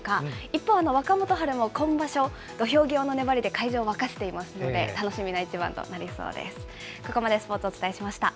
一方、若元春も今場所、土俵際の粘りで会場を沸かせていますので、楽しみな一番となりそうです。